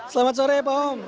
selamat sore pak om